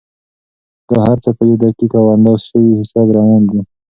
دا هر څه په یو دقیق او اندازه شوي حساب روان دي.